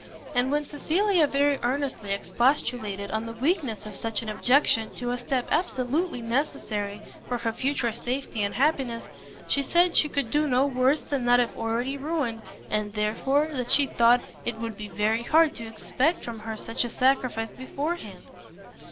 And when Cecilia very earnestly expostulated on the weakness of such an objection to a step absolutely necessary for her future safety and happiness, she said, she could do no worse than that if already ruined, and therefore that she thought it would be very hard to expect from her such a sacrifice before hand.